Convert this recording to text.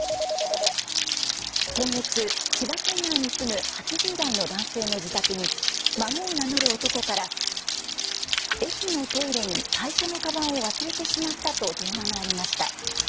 今月、千葉県内に住む８０代の男性の自宅に孫を名乗る男から駅のトイレに会社のかばんを忘れてしまったと電話がありました。